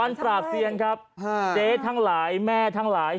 มันปราบเซียนครับเจ๊ทั้งหลายแม่ทั้งหลาย